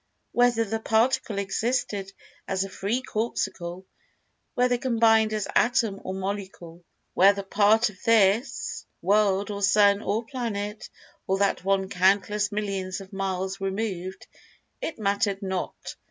Whether the Particle existed as a free Corpuscle—whether combined as Atom or Molecule—whether part of this world or sun or planet, or that one countless millions of miles removed—it mattered not.